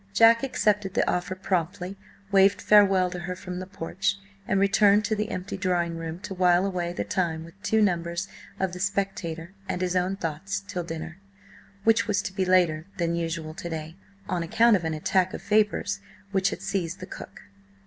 Jack accepted the offer promptly, waved farewell to her from the porch, and returned to the empty drawing room to while away the time with two numbers of the Spectator and his own thoughts till dinner, which was to be later than usual to day, on account of an attack of vapours which had seized the cook.